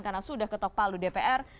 karena sudah ketok palu dpr